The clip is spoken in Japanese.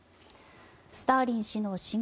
スターリン氏の死後